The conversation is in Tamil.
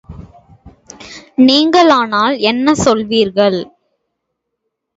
நீங்களானால் என்ன சொல்வீர்கள்?